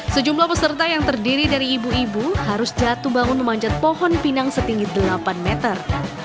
sejumlah peserta yang terdiri dari ibu ibu harus jatuh bangun memanjat pohon pinang setinggi delapan meter